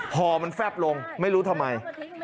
พอมันแฟบลงไม่รู้ทำไม